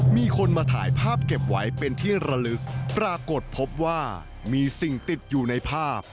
มีคนมาถ่ายภาพเก็บไว้เป็นที่ระลึกปรากฏพบว่ามีสิ่งติดอยู่ในภาพ